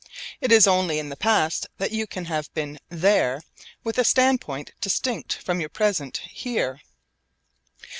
It is only in the past that you can have been 'there' with a standpoint distinct from your present 'here.'